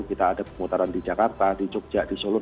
kita ada pemutaran di jakarta di jogja di solo